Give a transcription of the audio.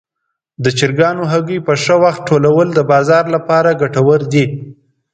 د چرګانو هګۍ په ښه وخت ټولول د بازار لپاره ګټور دي.